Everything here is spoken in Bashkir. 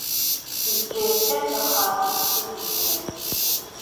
Иҫке өҫкә сыҡһа, иҫте килтерер.